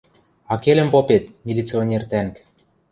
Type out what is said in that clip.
— Акелӹм попет, милиционер тӓнг...